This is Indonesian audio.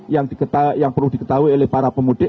yang perlu diketahui oleh para pemudik